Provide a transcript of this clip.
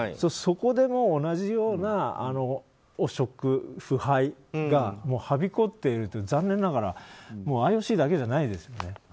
そこでも同じような汚職、腐敗がはびこっているという残念ながらＩＯＣだけじゃないですね。